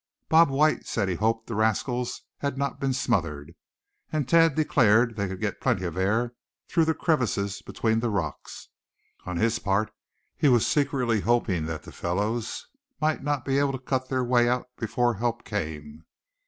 Bob White said he hoped the rascals had not been smothered; and Thad declared they could get plenty of air through the crevices between the rocks. On his part he was secretly hoping that the fellows might not be able to cut their way out before help came.